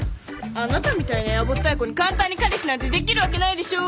あなたみたいなやぼったい子に簡単に彼氏なんてできるわけないでしょ。